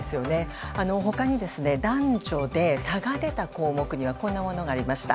他に男女で差が出た項目にはこんなものがありました。